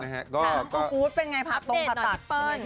แล้วอาทิตย์เป็นอย่างไรพาตรงต่อตัด